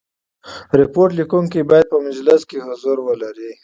ریپورټ لیکوونکی باید په مجلس کي حضور ولري.